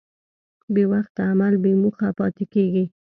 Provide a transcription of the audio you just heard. بېوخته عمل بېموخه پاتې کېږي.